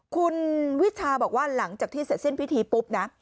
คุณวิชาบอกว่าหลังจากที่เสร็จสิ้นพิธีปุ๊บนะ